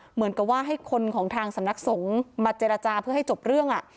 เหมือนกับว่าให้คนของทางสำนักสงฆ์มาเจรจาเพื่อให้จบเรื่อง